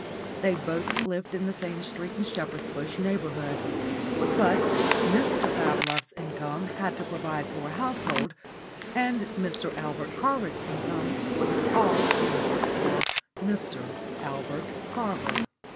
They both lived in the same street in the Shepherd's Bush neighbourhood. But Mr Bablove's income had to provide for a household, and Mr Albert Carver's income was all ear marked for Mr Albert Carver.